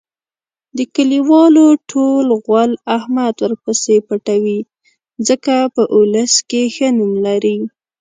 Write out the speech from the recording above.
د کلیوالو ټول غول احمد ورپسې پټوي. ځکه په اولس کې ښه نوم لري.